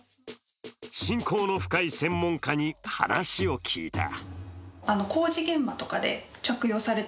親交の深い専門家に話を聞いた。